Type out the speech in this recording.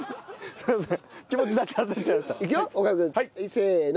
すいません。